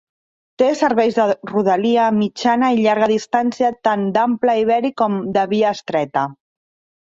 Té serveis de rodalia, mitjana i llarga distància tant d'ample ibèric com de via estreta.